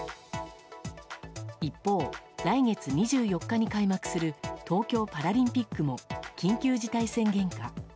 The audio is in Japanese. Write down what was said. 一方、来月２４日に開幕する東京パラリンピックも緊急事態宣言下。